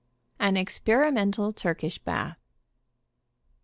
AN EXPERIMENTAL TURKISH BATH.